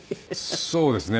そうですね。